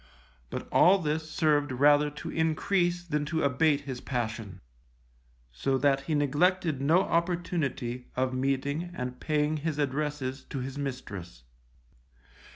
But all this served rather to increase than to abate his passion, so that he neglected no opportunity of meeting and paying his addresses to his mistress.